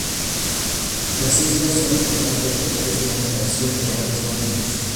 Las islas son importantes lugares de anidación de aves marinas.